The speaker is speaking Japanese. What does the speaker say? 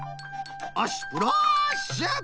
あっスプラッシュ！